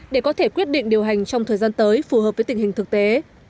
để có thể quyết định điều hành trong thời gian tới phù hợp với tình hình thực tế